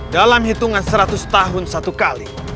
dalam hitungan seratus tahun satu kali